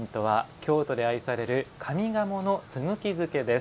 「京都で愛される上賀茂のすぐき漬け」です。